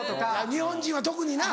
日本人は特にな。